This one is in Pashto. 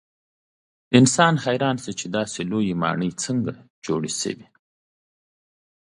انسان حیران شي چې داسې لویې ماڼۍ څنګه جوړې شوې.